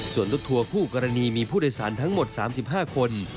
ส่วนรถทัวร์คู่กรณีมีผู้โดยสารทั้งหมด๓๕คน